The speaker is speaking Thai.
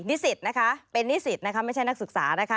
นิสิตนะคะเป็นนิสิตนะคะไม่ใช่นักศึกษานะคะ